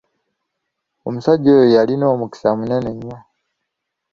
Omusajja oyo yalina omukisa munene nnyo.